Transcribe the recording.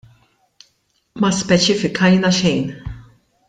Ma speċifikajna xejn.